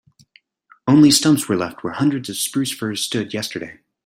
Only stumps are left where hundreds of spruce firs stood yesterday.